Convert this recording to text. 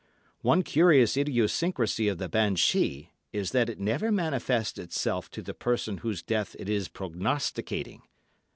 One curious idiosyncrasy of the banshee is that it never manifests itself to the person whose death it is prognosticating.